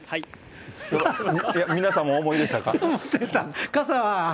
皆さんもお思いでしたか？